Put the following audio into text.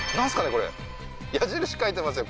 これ矢印書いてますよ